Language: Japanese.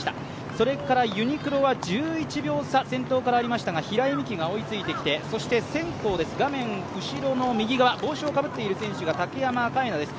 それからユニクロは１１秒差、先頭からありましたが平井見季が追いついてきて、センコーです、画面後ろの右側、帽子をかぶっている選手が竹山楓菜です。